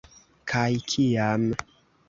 Kaj kiam.